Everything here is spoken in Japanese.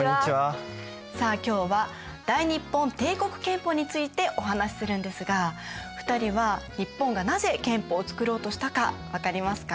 さあ今日は大日本帝国憲法についてお話しするんですが２人は日本がなぜ憲法を作ろうとしたか分かりますか？